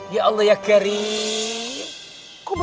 ya allah ya karib